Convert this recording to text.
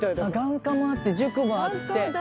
眼科もあって塾もあって。